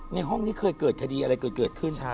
ห้องนี้เคยเกิดคดีอะไรเกิดขึ้น